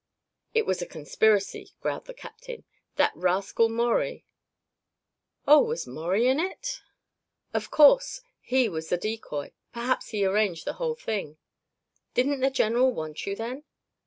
"It was a conspiracy," growled the captain. "That rascal, Maurie " "Oh, was Maurie in it?" "Of course. He was the decoy; perhaps he arranged the whole thing." "Didn't the general want you, then?"